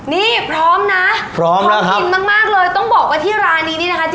นี่พร้อมนะพร้อมกินมากเลยต้องบอกว่าที่ร้านนี้นี่นะคะ